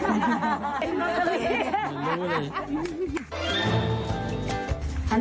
อันนี้ทำอย่างไรนะ